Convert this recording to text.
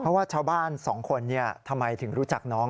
เพราะว่าชาวบ้านสองคนทำไมถึงรู้จักน้อง